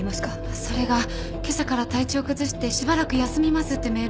それがけさから体調を崩してしばらく休みますってメールが。